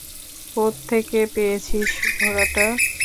কোত্থেকে পেয়েছিস ঘোড়াটা?